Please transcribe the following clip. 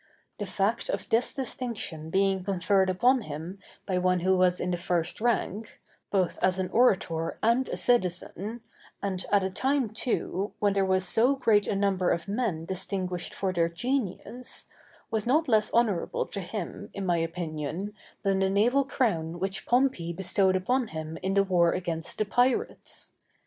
The fact of this distinction being conferred upon him by one who was in the first rank, both as an orator and a citizen, and at a time, too, when there was so great a number of men distinguished for their genius, was not less honorable to him, in my opinion, than the naval crown which Pompey bestowed upon him in the war against the pirates.